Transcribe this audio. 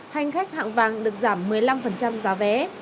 hành khách hạng vàng được giảm một mươi năm giá vé